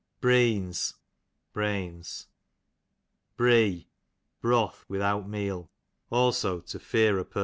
Breans, brains. Bree, broth u ithoiit meal ; also to fear a person.